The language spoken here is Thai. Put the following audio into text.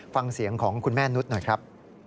ฟังเสียงของคุณแม่นุษย์หน่อยครับ